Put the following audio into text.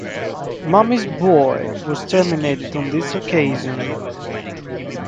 "Mummy's Boy" was terminated on this occasion.